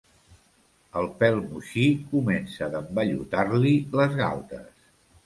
El pèl moixí comença d'envellutar-li les galtes.